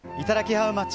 ハウマッチ。